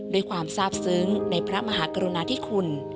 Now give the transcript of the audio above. ด้วยความทราบซึ้งในพระมหากรุณาธิคุณ